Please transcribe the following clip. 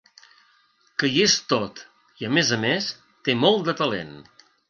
Que hi és tot, i a més a més, té molt de talent.